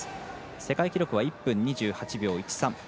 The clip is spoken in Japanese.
世界記録は１分２８秒１３。